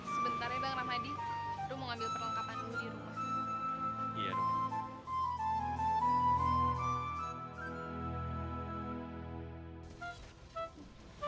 sebentar ya bang ramadi